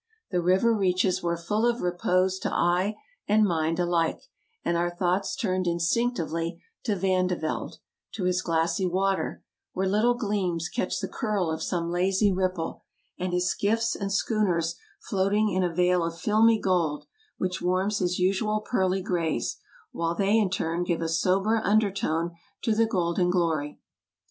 The river reaches were full of repose to eye and. mind alike, and our thoughts turned instinctively EUROPE 231 to Van de Velde, to his glassy water, where little gleams catch the curl of some lazy ripple, and his skiffs and schoon ers floating in a vail of filmy gold, which warms his usual pearly grays, while they in turn give a sober undertone to the golden glory.